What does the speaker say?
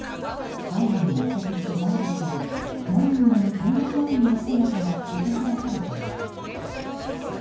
背後に密着してガードする何人もの警護要員の姿が映し出されています。